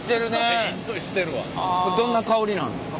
どんな香りなんですか？